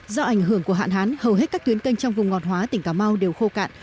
do ảnh hưởng của hạn hán hầu hết các tuyến canh trong vùng ngọt hóa tỉnh cà mau đều khô cạn